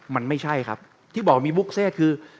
มันไม่ใช่ครับที่บอกมีบุคเซคือ